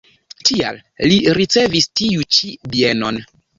Tial li ricevis tiu ĉi bienon.